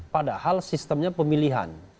padahal sistemnya pemilihan